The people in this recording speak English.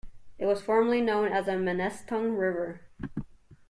It was formerly known as the Menesetung River.